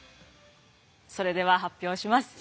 それでは発表します！